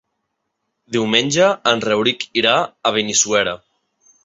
Diumenge en Rauric irà a Benissuera.